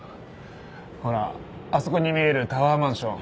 ほらあそこに見えるタワーマンション。